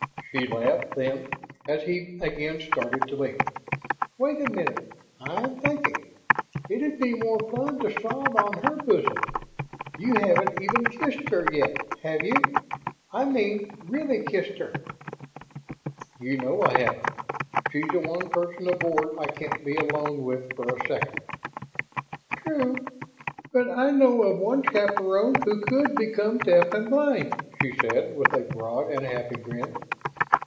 She laughed; then, as he again started to leave: "Wait a minute, I'm thinking ... it'd be more fun to sob on her bosom. You haven't even kissed her yet, have you? I mean really kissed her?" "You know I haven't. She's the one person aboard I can't be alone with for a second." "True. But I know of one chaperone who could become deaf and blind," she said, with a broad and happy grin.